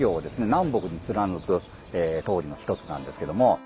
南北に貫く通りの一つなんですけども。